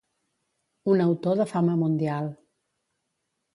Un autor de fama mundial.